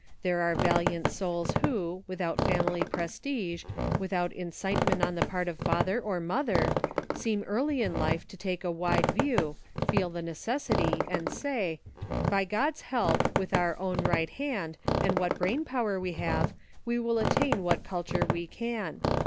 There are valiant souls who, without family prestige, without incite ment on the part of father or mother, seem early in life to take a wide view, feel the necessity, and say, ' By God's help, with our own right hand, and what brain power we have, we will attain what culture we can.'